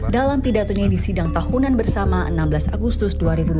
dalam pidatonya di sidang tahunan bersama enam belas agustus dua ribu dua puluh